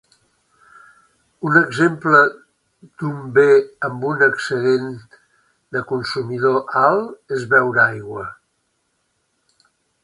Un exemple d"un bé amb un excedent del consumidor alt és beure aigua.